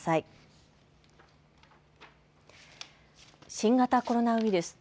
新型コロナウイルス。